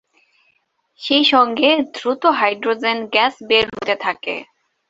সেই সঙ্গে দ্রুত হাইড্রোজেন গ্যাস বের হতে থাকে।